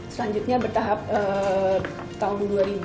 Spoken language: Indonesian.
selanjutnya bertahap tahun dua ribu enam belas sepuluh